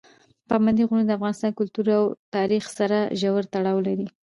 پابندي غرونه د افغان کلتور او تاریخ سره ژور تړاو لري.